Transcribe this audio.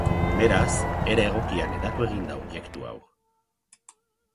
Beraz, era egokian hedatu egin da objektu hau.